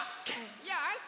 よし！